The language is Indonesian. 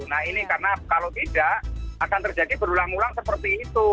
nah ini karena kalau tidak akan terjadi berulang ulang seperti itu